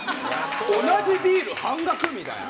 同じビール半額？みたいな。